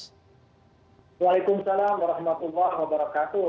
waalaikumsalam warahmatullahi wabarakatuh